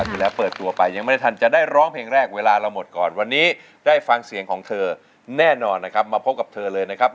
ที่แล้วเปิดตัวไปยังไม่ได้ทันจะได้ร้องเพลงแรกเวลาเราหมดก่อนวันนี้ได้ฟังเสียงของเธอแน่นอนนะครับมาพบกับเธอเลยนะครับ